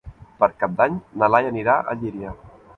Per Cap d'Any na Laia anirà a Llíria.